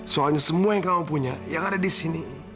soalnya semua yang kamu punya yang ada di sini